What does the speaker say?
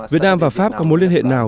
việt nam và pháp có mối liên hệ nào